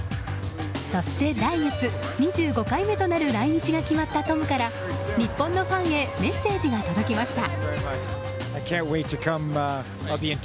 そして来月、２５回目となる来日が決まったトムから日本のファンへメッセージが届きました。